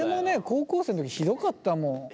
高校生の時ひどかったもん。